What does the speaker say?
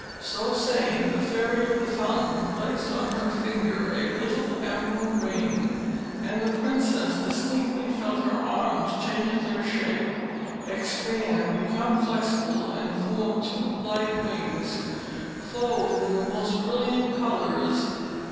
So saying, the Fairy of the Fountain placed on her finger a little emerald ring, and the princess distinctly felt her arms change their shape expand become flexible, and form two light wings, clothed in the most brilliant colours.